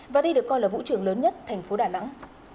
và đây được coi là vũ trường lớn nhất thành phố đà nẵng